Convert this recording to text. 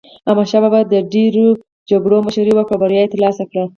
احمد شاه بابا د ډېرو جګړو مشري وکړه او بریاوي یې ترلاسه کړې.